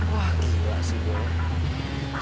wah gila sih gue